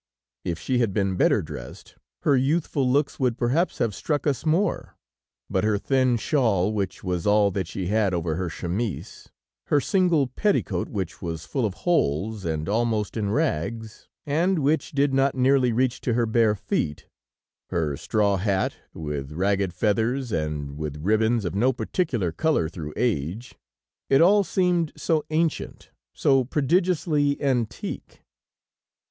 If she had been better dressed, her youthful looks would, perhaps, have struck us more, but her thin shawl, which was all that she had over her chemise, her single petticoat which was full of holes, and almost in rags, and which did not nearly reach to her bare feet, her straw hat with ragged feathers and with ribbons of no particular color through age, it all seemed so ancient, so prodigiously antique!